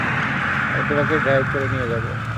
আমি তোমাকে ড্রাইভ করে নিয়ে যাব।